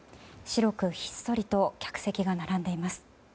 白くひっそりと客席が並んでいます。